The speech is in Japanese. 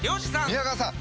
宮川さん